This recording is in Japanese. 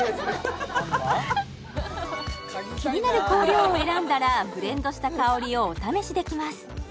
気になる香料を選んだらブレンドした香りをお試しできます